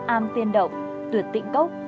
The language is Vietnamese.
am tiên động tuyệt tịnh cốc